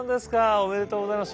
おめでとうございます。